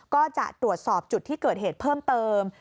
ก็จะตรวจสอบจุดที่เกิดเหตุเพิ่มเติม